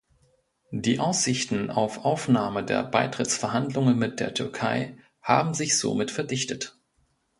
Die Aussichten auf Aufnahme der Beitrittsverhandlungen mit der Türkei haben sich somit verdichtet.